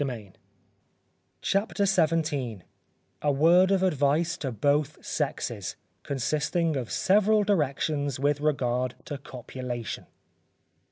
CHAPTER XVII _A word of Advice to both Sexes, consisting of several Directions with regard to Copulation.